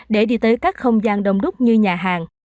để đi tới các không gian đông đúc như nhà hàng